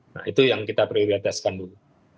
nah itu yang kita prioritaskan dulu